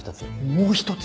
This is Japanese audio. もう一つ？